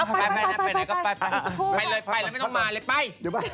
ไปเลยให้แต่ไม่ต้องมาเลยไป